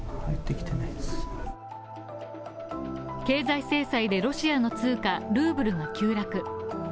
経済制裁で、ロシアの通貨ルーブルが急落。